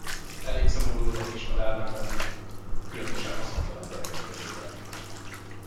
Elég szomorú dolog kismadárnak lenni, különösen haszontalan gyerekek kezében.